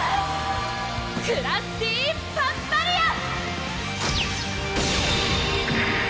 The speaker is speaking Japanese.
クラスティパンバリア！